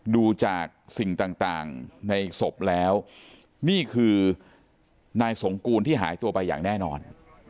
ดูจากสิ่งต่างในศพแล้วนี่คือนายสงกูลที่หายตัวไปอย่างแน่นอน